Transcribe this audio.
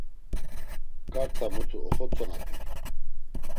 Ǩarta mutu oxotzonapi.